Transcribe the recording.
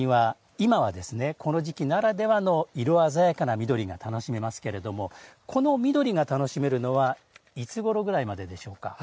今は、この時期ならではの色鮮やかな緑が楽しめますけれどもこの緑が楽しめるのはいつごろぐらいまででしょうか。